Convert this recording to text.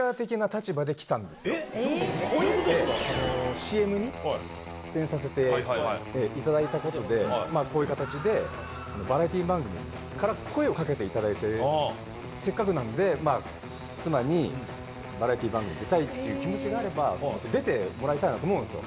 ＣＭに出演させていただいたことで、こういう形でバラエティー番組から声をかけていただいて、せっかくなんで、まあ、妻にバラエティー番組出たいっていう気持ちがあれば、出てもらいたいなと思うんですよ。